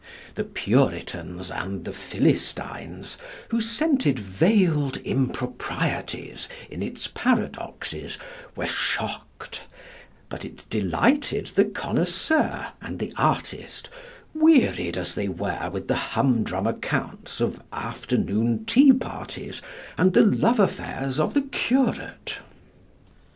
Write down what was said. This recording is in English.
The Puritans and the Philistines, who scented veiled improprieties in its paradoxes, were shocked; but it delighted the connoisseur and the artist, wearied as they were with the hum drum accounts of afternoon tea parties and the love affairs of the curate.